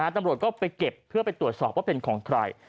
ตำรวจก็ไปเก็บเพื่อไปตรวจสอบว่าเป็นของใคร